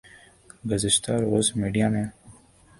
گزشتہ روز میڈیا میں